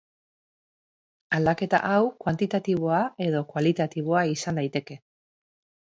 Aldaketa hau kuantitatiboa edo kualitatiboa izan daiteke.